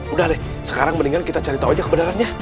udah deh sekarang mendingan kita cari tahu aja kebenarannya